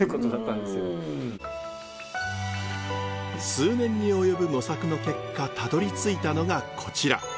数年に及ぶ模索の結果たどりついたのがこちら。